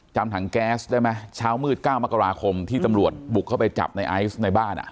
จำถังแก๊สได้ไหมเช้ามืด๙มกราคมที่ตำรวจบุกเข้าไปจับในไอซ์ในบ้าน